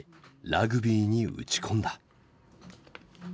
ラグビーに打ち込んだ。